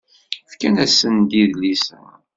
Fkan-asen-d idlisen.